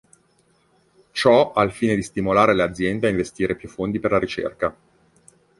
Ciò al fine di stimolare le aziende a investire più fondi per la ricerca.